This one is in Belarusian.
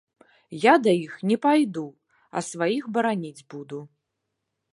Я да іх не пайду, а сваіх бараніць буду.